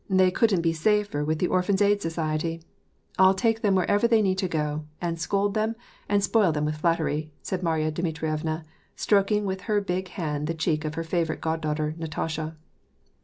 They couldn't be safer with the Orphans' Aid Society.* I'll take them wherever they need to go, and scold them, and spoil them with flattery," said Marya Dmitrievna, stroking with her big hand the cheek of her favorite god daughter, Natasha.